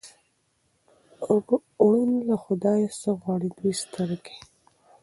ـ ړوند له خدايه څه غواړي، دوې سترګې.